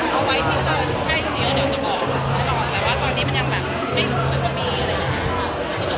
เอาไว้ที่เจอใช่จริงแล้วเดี๋ยวจะบอกว่าก่อนนี้มันยังไม่อยู่กับที่มี